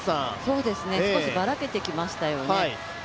少しバラけてきましたよね。